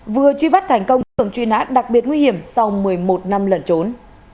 vừa truy bắt thành công tượng truy nã đặc biệt nguy hiểm sau một mươi một năm lẩn trốn